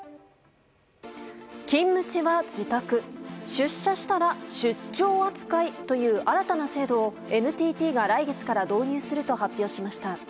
勤務地は自宅出社したら出張扱いという新たな制度をＮＴＴが来月から導入すると発表しました。